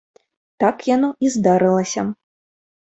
Так яно і здарылася.